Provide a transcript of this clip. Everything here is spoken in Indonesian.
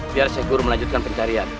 biar saya guru melanjutkan pencarian